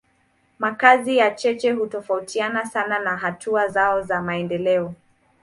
Makazi ya cheche hutofautiana sana na hatua zao za maendeleo.